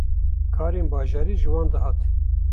karên bajarî ji wan dihat.